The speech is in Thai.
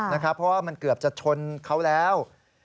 เพราะว่ามันเกือบจะชนเขาแล้ว